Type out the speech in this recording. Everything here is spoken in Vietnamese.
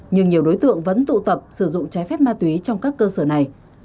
nhưng nhiều đối tượng vẫn tụ tập sử dụng trái phép ma túy trong các cơ sở này